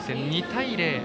２対０。